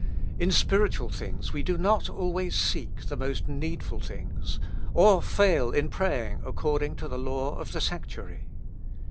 In spiritual things we do not always seek the most needful things or fail in praying according to the law of the sanctuary.